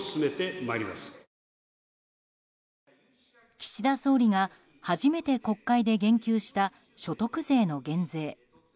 岸田総理が、初めて国会で言及した所得税の減税。